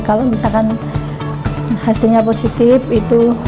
kalau misalkan hasilnya positif itu